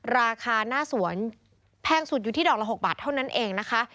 ราคาหน้าสวนแพงสุดอยู่ที่ดอกละ๖บาทเท่านั้นเองนะคะ